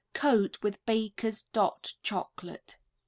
Coat with Baker's "Dot" Chocolate.